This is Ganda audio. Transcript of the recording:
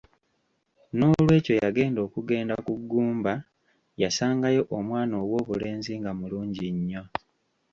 N’olwekyo yagenda okugenda ku ggumba, yasangawo omwana ow’obulenzi nga mulungi nnyo.